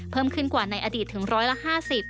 เพิ่มขึ้นกว่าในอดีตถึงร้อยละ๕๐